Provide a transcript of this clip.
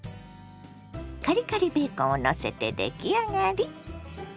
カリカリベーコンをのせて出来上がり。